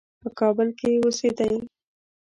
په کابل کې اوسېدی.